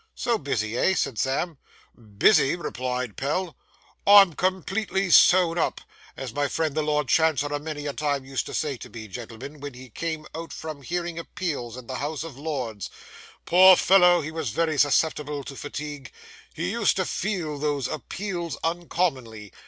'So busy, eh?' said Sam. 'Busy!' replied Pell; 'I'm completely sewn up, as my friend the late Lord Chancellor many a time used to say to me, gentlemen, when he came out from hearing appeals in the House of Lords. Poor fellow; he was very susceptible to fatigue; he used to feel those appeals uncommonly.